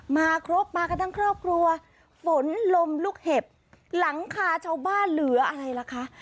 มาครบมากันทั้งครอบครัวฝนลมลูกเห็บหลังคาชาวบ้านเหลืออะไรล่ะคะ